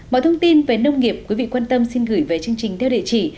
mọi thông tin về nông nghiệp quý vị quan tâm xin gửi về chương trình theo địa chỉ